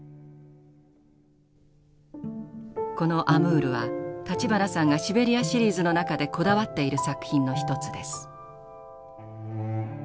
この「アムール」は立花さんが「シベリア・シリーズ」の中でこだわっている作品の一つです。